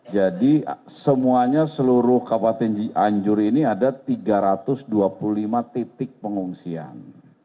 jadi semuanya seluruh kabupaten cianjur ini ada tiga ratus dua puluh lima titik pengungsian